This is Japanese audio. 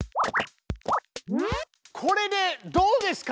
これでどうですか？